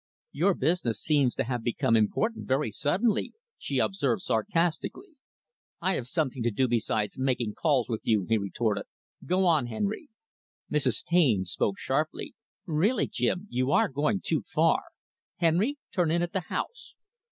"Your business seems to have become important very suddenly," she observed, sarcastically. "I have something to do besides making calls with you," he retorted. "Go on, Henry." Mrs. Taine spoke sharply; "Really, Jim, you are going too far. Henry, turn in at the house."